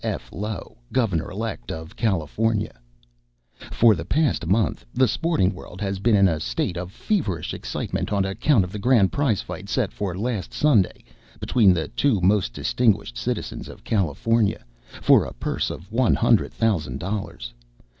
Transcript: F. Low, Governor Elect of California._ REPORTED BY SAMUEL L. CLEMENS For the past month the sporting world has been in a state of feverish excitement on account of the grand prize fight set for last Sunday between the two most distinguished citizens of California, for a purse of one hundred thousand dollars.